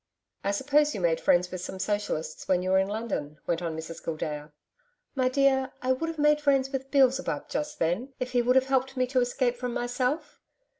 'I suppose you made friends with some Socialists when you were in London?' went on Mrs Gildea. 'My dear, I would have made friends with Beelzebub just them, if he would have helped me to escape from myself.'